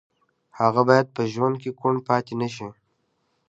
هغه باید په ژوند کې کوڼ پاتې نه شي